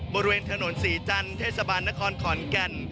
บริเวณถนนศรีจันทร์เทศบาลนครขอนแก่น